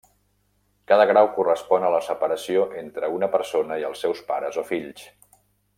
Cada grau correspon a la separació entre una persona i els seus pares o fills.